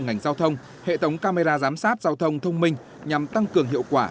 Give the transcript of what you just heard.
ngành giao thông hệ thống camera giám sát giao thông thông minh nhằm tăng cường hiệu quả